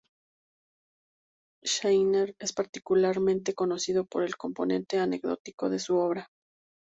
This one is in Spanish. Schleicher es particularmente conocido por el componente anecdótico de su obra.